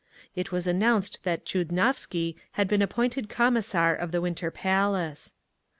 It was announced that Tchudnovsky had been appointed Commissar of the Winter Palace.